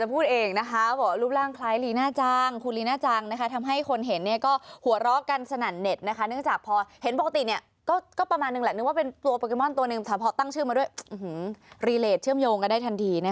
ประกอบตั้งชื่อมาด้วยนึกว่าเป็นตัวตัวนึงแหละนึกว่าเป็นตัวพอคิมตัวนึงแหละคือตัวต้องชื่อมาด้วย